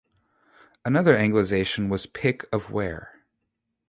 Another anglicization was Pick of Ware.